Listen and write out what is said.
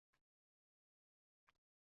bezarar